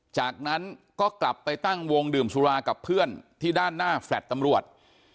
จากนั้นก็กลับไปตั้งวงดื่มสุรากับเพื่อนที่ด้านหน้าแฟลต์ตำรวจ